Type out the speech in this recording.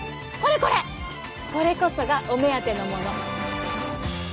これこそがお目当てのもの。